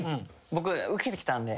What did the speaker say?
僕受けてきたんで。